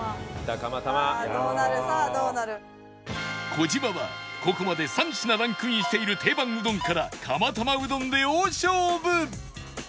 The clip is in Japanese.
児嶋はここまで３品ランクインしている定番うどんから釜玉うどんで大勝負！